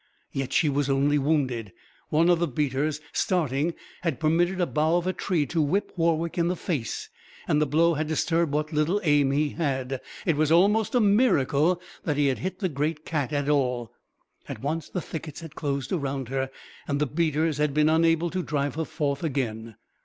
Yet she was only wounded. One of the beaters, starting, had permitted a bough of a tree to whip Warwick in the face, and the blow had disturbed what little aim he had. It was almost a miracle that he had hit the great cat at all. At once the thickets had closed around her, and the beaters had been unable to drive her forth again.